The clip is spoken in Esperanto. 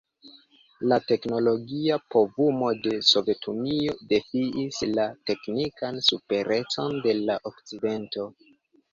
La teknologia povumo de Sovetunio defiis la teknikan superecon de la Okcidento.